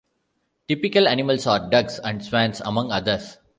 Typical animals are ducks and swans among others.